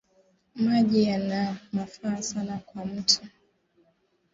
Maji yana mafaha sana kwa muntu